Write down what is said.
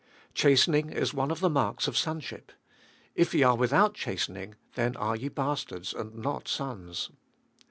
Chastening is one of the marks of sonship. If ye are without chastening, then are ye bastards and not sons.